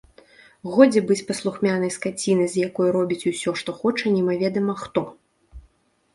Годзе быць паслухмянай скацінай, з якой робіць усё, што хоча, немаведама хто!